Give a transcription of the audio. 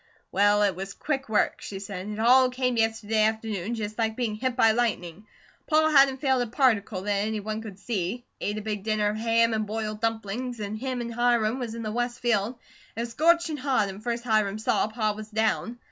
"Well, it was quick work," she said. "It all came yesterday afternoon just like being hit by lightning. Pa hadn't failed a particle that any one could see. Ate a big dinner of ham an' boiled dumplings, an' him an' Hiram was in the west field. It was scorchin' hot an' first Hiram saw, Pa was down.